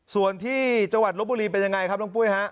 ส่วนที่จังหวัดลบบุรีเป็นยังไงครับน้องปุ้ยฮะ